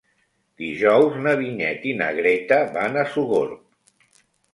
Dijous na Vinyet i na Greta van a Sogorb.